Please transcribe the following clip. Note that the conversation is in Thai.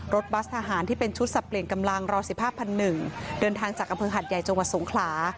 บัสทหารที่เป็นชุดสับเปลี่ยนกำลังรอ๑๕พันหนึ่งเดินทางจากอำเภอหัดใหญ่จังหวัดสงขลา